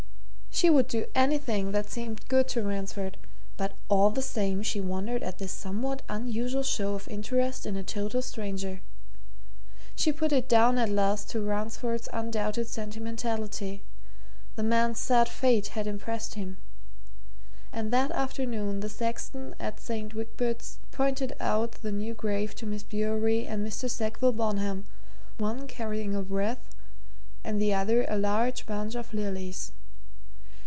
She would do anything that seemed good to Ransford but all the same she wondered at this somewhat unusual show of interest in a total stranger. She put it down at last to Ransford's undoubted sentimentality the man's sad fate had impressed him. And that afternoon the sexton at St. Wigbert's pointed out the new grave to Miss Bewery and Mr. Sackville Bonham, one carrying a wreath and the other a large bunch of lilies.